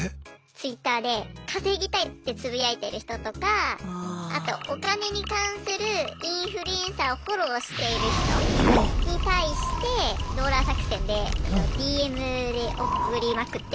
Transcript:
Ｔｗｉｔｔｅｒで「稼ぎたい」ってつぶやいてる人とかあとお金に関するインフルエンサーをフォローしている人に対してローラー作戦でＤＭで送りまくって。